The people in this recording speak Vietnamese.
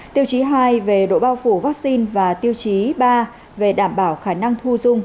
tiêu chí hai về độ bao phủ vaccine và tiêu chí ba về đảm bảo khả năng thu dung